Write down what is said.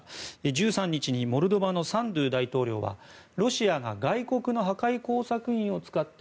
１３日にモルドバのサンドゥ大統領はロシアが外国の破壊工作員を使って